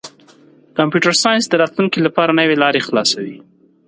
کمپیوټر ساینس د راتلونکي لپاره نوې لارې خلاصوي.